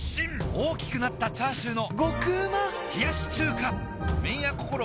大きくなったチャーシューの麺屋こころ